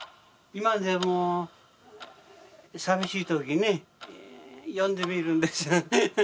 今でも寂しい時ね呼んでみるんです。